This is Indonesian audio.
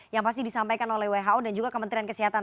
yang pasti disampaikan oleh who dan juga kementerian kesehatan